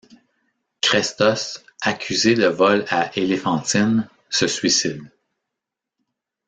Chrestos, accusé de vol à Éléphantine, se suicide.